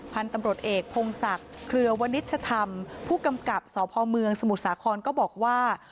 พันธุ์ตำรวจเอกพงศักดิ์เครือวนิชธรรมผู้กำกับสพเมืองสมุทรสาครก็บอกว่า